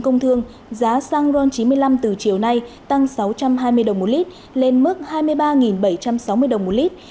công thương giá xăng ron chín mươi năm từ chiều nay tăng sáu trăm hai mươi đồng một lít lên mức hai mươi ba bảy trăm sáu mươi đồng một lít